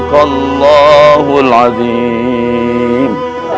sekarwangi akan mencari kesehatan